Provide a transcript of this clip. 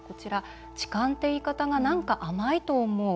痴漢っていう言い方がなんか甘いと思う。